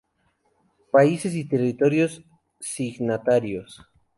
Países y territorios signatarios